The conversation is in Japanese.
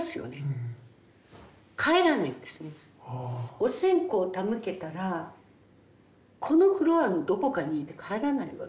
お線香を手向けたらこのフロアのどこかにいて帰らないわけですね。